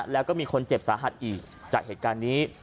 แล้วก็มีคนเจ็บสาหัสอีกจากเหตุการณ์นี้